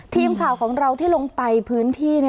ทีมข่าวของเราที่ลงไปพื้นที่